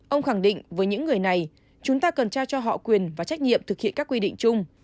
ông khẳng định với những người này chúng ta cần trao cho họ quyền và trách nhiệm thực hiện các quy định chung